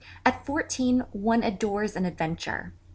At fourteen one adores an adventure.